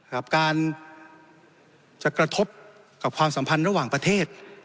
กับการจะกระทบกับความสัมพันธ์ระหว่างประเทศ